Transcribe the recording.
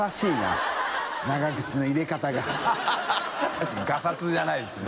確かにガサツじゃないですね。